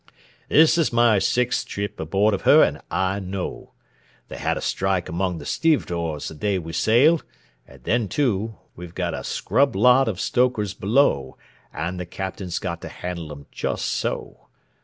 This is my sixth trip aboard of her, and I know! They had a strike among the stevedores the day we sailed, and then, too, we've got a scrub lot of stokers below, and the Captain's got to handle 'em just so.